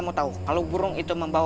jangan nam upka itu berisi kepada dewi